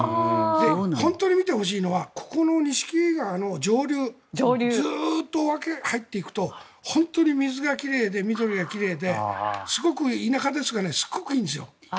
本当に見てほしいのは錦川の上流ずっと分け入っていくと本当に水が奇麗で緑が奇麗ですごく田舎ですけどいいんですよ。